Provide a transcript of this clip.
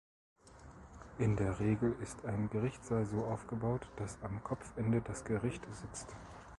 In der Regel ist ein Gerichtssaal so aufgebaut, dass am Kopfende das Gericht sitzt.